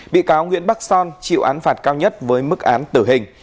bị cáo nguyễn bắc son chịu án phạt cao nhất với mức án tử hình